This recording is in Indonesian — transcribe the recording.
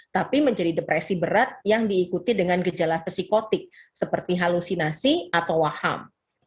tapi menjadi depresi berat yang diikuti dengan gejala psikotik seperti halusinasi atau waham